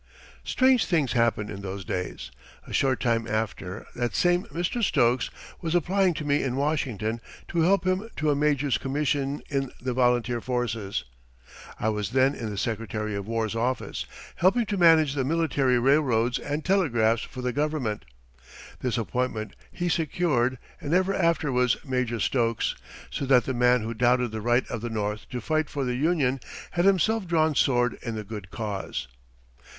Strange things happened in those days. A short time after, that same Mr. Stokes was applying to me in Washington to help him to a major's commission in the volunteer forces. I was then in the Secretary of War's office, helping to manage the military railroads and telegraphs for the Government. This appointment he secured and ever after was Major Stokes, so that the man who doubted the right of the North to fight for the Union had himself drawn sword in the good cause.